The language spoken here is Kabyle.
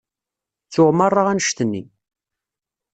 Ttuɣ merra annect-nni.